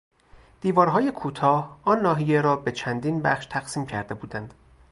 دیوارهای کوتاه آن ناحیه را به چندین بخش تقسیم کرده بودند.